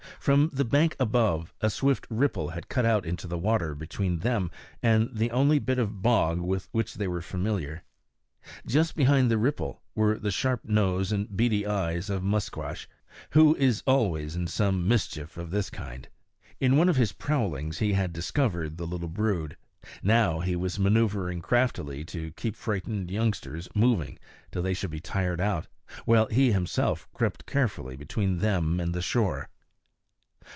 From the bank above, a swift ripple had cut out into the water between them and the only bit of bog with which they were familiar. Just behind the ripple were the sharp nose and the beady eyes of Musquash, who is always in some mischief of this kind. In one of his prowlings he had discovered the little brood; now he was manœuvering craftily to keep the frightened youngsters moving till they should be tired out, while he himself crept carefully between them and the shore.